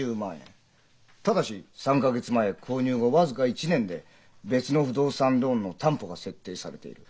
ただし３か月前購入後僅か１年で別の不動産ローンの担保が設定されている。